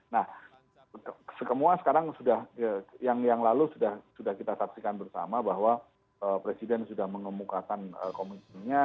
nah semua sekarang sudah yang lalu sudah kita saksikan bersama bahwa presiden sudah mengemukakan komitmennya